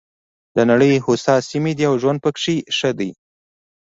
د نړۍ هوسا سیمې دي او ژوند پکې ښه دی.